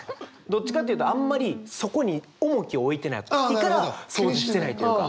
どっちかっていうとあんまりそこに重きを置いてないから掃除してないというか。